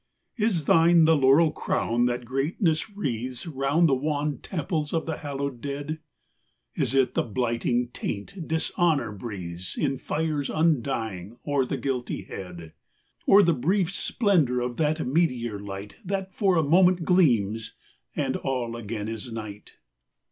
V. Is thine the laurel crown that greatness wreathes Round the wan temples of the hallowed dead — Is it the blighting taint dishonour breathes In fires undying o'er the guilty head. Or the brief splendour of that meteor light That for a moment gleams, and all again is night